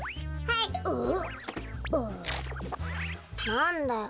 なんだよ？